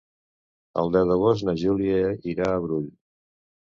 El deu d'agost na Júlia irà al Brull.